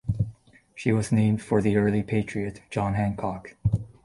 She was named for the early patriot, John Hancock.